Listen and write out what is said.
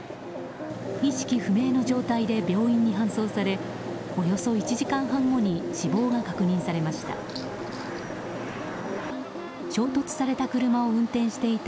意識不明の状態で病院に搬送されおよそ１時間半後に死亡が確認されました。